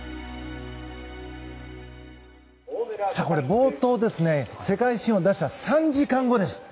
冒頭、世界新を出した３時間後です。